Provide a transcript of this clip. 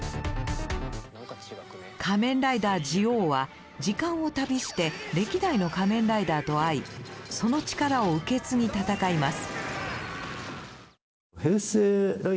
仮面ライダージオウは時間を旅して歴代の仮面ライダーと会いその力を受け継ぎ戦います。